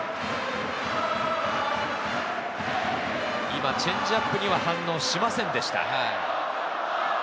今チェンジアップには反応しませんでした。